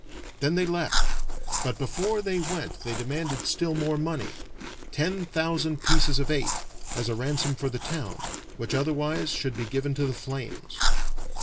Then they left, but before they went they demanded still more money ten thousand pieces of eight as a ransom for the town, which otherwise should be given to the flames.